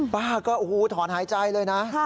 ป้าก็ถอนหายใจเลยนะ